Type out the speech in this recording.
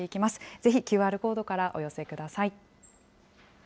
ぜひＱＲコードからお寄せください。